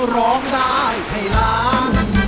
ร้องได้ให้ล้าน